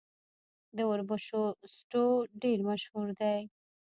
د وربشو سټو ډیر مشهور دی.